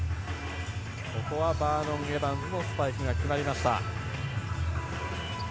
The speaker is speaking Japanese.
バーノン・エバンズのスパイクが決まりました。